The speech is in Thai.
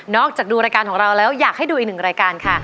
จากดูรายการของเราแล้วอยากให้ดูอีกหนึ่งรายการค่ะ